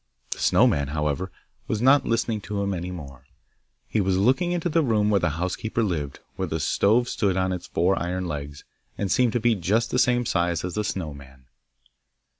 The Snow man, however, was not listening to him any more; he was looking into the room where the housekeeper lived, where the stove stood on its four iron legs, and seemed to be just the same size as the Snow man.